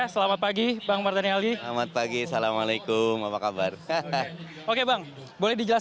selamat pagi yuda